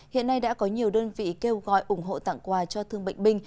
hiện nay đã có nhiều đơn vị kêu gọi ủng hộ tặng quà cho thương bệnh binh